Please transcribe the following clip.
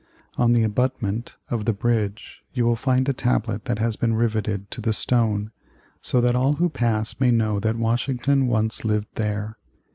On the abutment of the bridge you will find a tablet that has been riveted to the stone, so that all who pass may know that Washington once lived there.